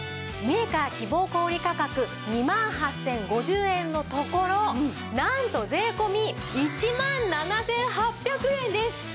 メーカー希望小売価格２万８０５０円のところなんと税込１万７８００円です！